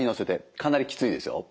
かなりきついですよ。